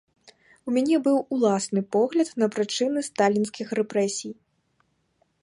У мяне быў уласны погляд на прычыны сталінскіх рэпрэсій.